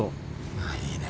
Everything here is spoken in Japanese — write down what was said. あいいね。